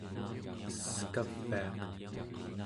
eskaviaq